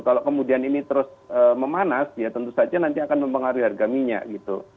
kalau kemudian ini terus memanas ya tentu saja nanti akan mempengaruhi harga minyak gitu